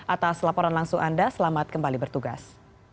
atas laporan langsung anda selamat kembali bertugas